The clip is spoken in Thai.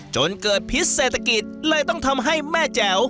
จนเกิดพิษเศรษฐกิจเลยต้องทำให้แม่แจ๋ว